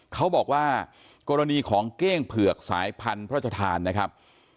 เขาบอกว่ากรณีของเก้งเผือกสายพันธุ์พระชธานนะครับ